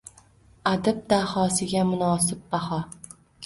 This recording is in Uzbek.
Adib dahosiga munosib baho